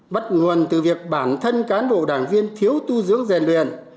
bắt nguồn từ việc bản thân cán bộ đảng viên thiếu tu dưỡng rèn luyện